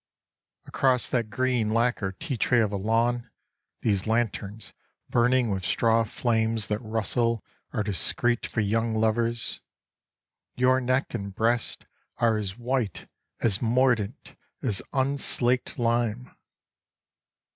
Across that green lacquer tea tray of a lawn, these lanterns burning with straw flames that rustle are discreet for young lovers. Your neck and breast are as white, as mordant, as unslaked lime."